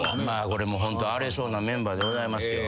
これもホント荒れそうなメンバーでございますよ。